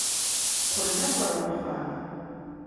Qqlen akk ar wexxam.